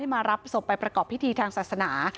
มารับศพไปประกอบพิธีทางศาสนา